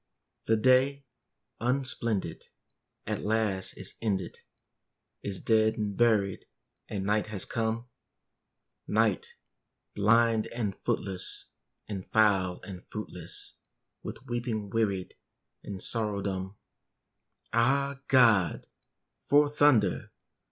The day, unsplendid, at last is ended, Is dead and buried, and night has come; Night, blind and footless, and foul and fruitless, With weeping wearied, and sorrow dumb. Ah, God! for thunder!